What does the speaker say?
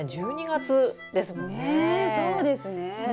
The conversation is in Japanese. そうですね。